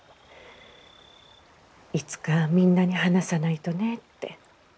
いつかみんなに話さないとねって。